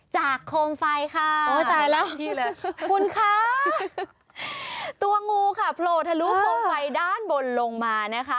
จากโคมไฟค่ะคุณค้าตัวงูค่ะโผล่ทะลุโคมไฟด้านบนลงมานะคะ